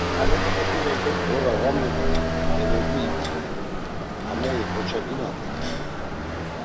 Ora var miğunan evedi ivit, hamei boçodinaten.